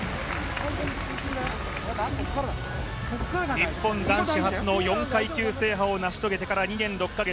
日本男子初の４階級制覇を成し遂げてから２年６カ月。